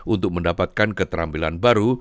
untuk mendapatkan keterampilan baru